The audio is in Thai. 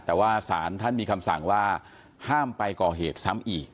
แต่ว่าศาลท่านมีคำสั่งว่าห้ามไปก่อเหตุซ้ำอีก